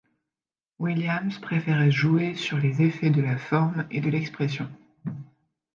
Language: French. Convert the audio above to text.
Williams préférait jouer sur les effets de la forme et de l’expression.